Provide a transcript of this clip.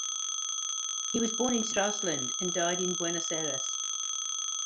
He was born in Stralsund and died in Buenos Aires.